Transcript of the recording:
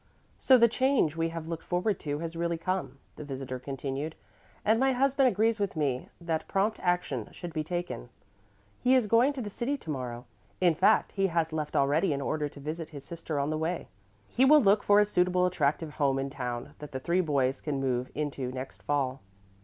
"So the change we have looked forward to has really come," the visitor continued, "and my husband agrees with me that prompt action should be taken. He is going to the city to morrow; in fact, he has left already in order to visit his sister on the way. He will look for a suitable, attractive home in town that the three boys can move into next fall."